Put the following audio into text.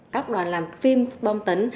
các đoàn làm phim bom tấn